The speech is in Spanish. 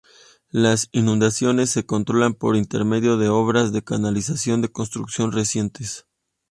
Las inundaciones se controlan por intermedio de obras de canalización de construcción reciente.